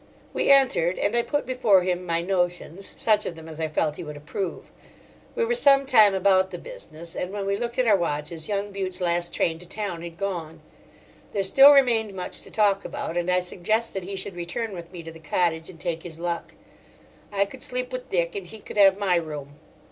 We entered, and I put before him my notions—such of them as I felt he would approve. We were some time about the business, and when we looked at our watches young Bute's last train to town had gone. There still remained much to talk about, and I suggested he should return with me to the cottage and take his luck. I could sleep with Dick and he could have my room.